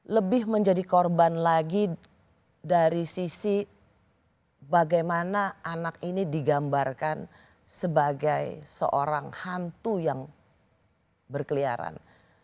lebih menjadi korban lagi dari sisi bagaimana anak ini digambarkan sebagai seorang hantu yang berkeliaran